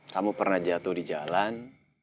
kamu pernah jatuh di jalan